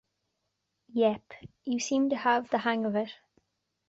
Yep, you seem to have the hang of it.